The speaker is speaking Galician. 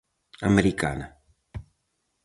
Americana.